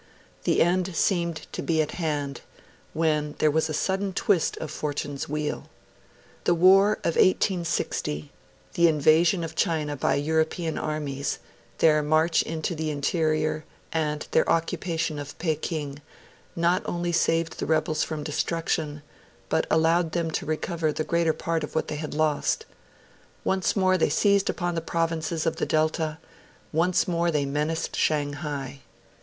The end seemed to be at hand, when there was a sudden twist of Fortune's wheel. The war of 1860, the invasion of China by European armies, their march into the interior, and their occupation of Peking, not only saved the rebels from destruction, but allowed them to recover the greater part of what they had lost. Once more they seized upon the provinces of the delta, once more they menaced Shanghai.